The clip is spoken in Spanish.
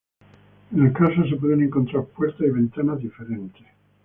En las casas se pueden encontrar puertas y ventanas diferentes.